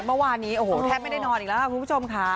บนหวานี้ฉันแทบไม่ได้นอนอีกแล้วครับคุณผู้ชมค่ะ